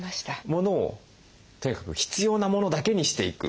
モノをとにかく必要なモノだけにしていく？